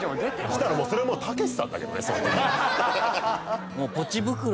そしたらもうそれはたけしさんだけどね。